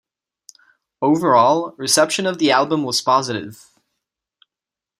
Overall, reception of the album was positive.